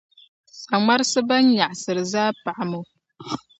Saŋmarisi bɛn nyaɣisiri zaa, paɣimiy’ o!